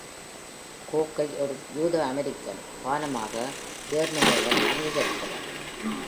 கோக்கை ஒரு "யூத-அமெரிக்கன்" பானமாக ஜேர்மனியர்கள் அங்கீகரித்தனர்.